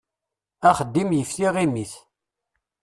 Axeddim yif tiɣimit.